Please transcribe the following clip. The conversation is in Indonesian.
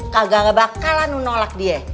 kagak gak bakalan lo nolak dia